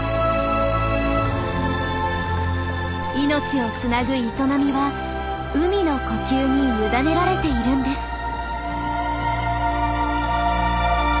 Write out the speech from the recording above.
命をつなぐ営みは海の呼吸に委ねられているんです。